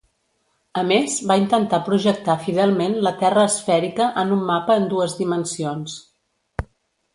A més, va intentar projectar fidelment la Terra esfèrica en un mapa en dues dimensions.